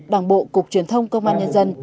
đảng bộ cục truyền thông công an nhân dân